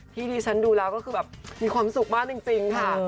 ที่ดิฉันดูแล้วก็คือแบบมีความสุขมากจริงค่ะ